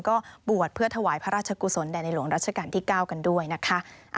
ก็บวชเพื่อถวายพระราชกุศลแด่ในหลวงรัชกาลที่๙กันด้วยนะคะ